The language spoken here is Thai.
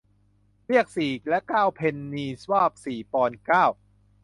เรียกสี่และเก้าเพนนีว่าสี่ปอนด์เก้า